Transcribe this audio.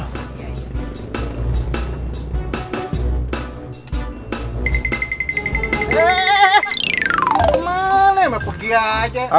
eh emang mana emang pergi aja